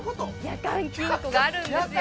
夜間金庫があるんですよ